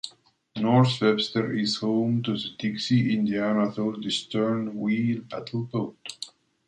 North Webster is home to The Dixie, Indiana's oldest stern wheel paddle boat.